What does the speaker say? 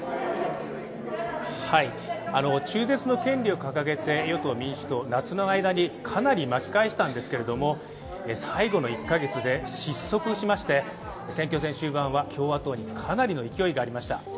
中絶の権利を掲げて与党・民主党、夏の間にかなり巻き返したんですけれども最後の１か月で失速しまして、選挙戦終盤は共和党にかなりの勢いがありました。